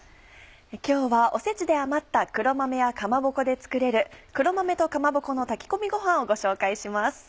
今日はおせちで余った黒豆やかまぼこで作れる「黒豆とかまぼこの炊き込みごはん」をご紹介します。